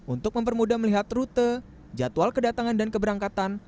untuk mempermudah melihat rute jadwal kedatangan dan keberangkatan